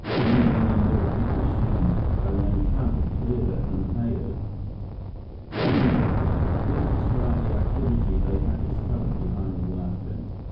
"Many, many more big machines than when camp was cleared at Unhao." 167 "Tell me more, Biff." Biff described the activity they had discovered behind the wire fence.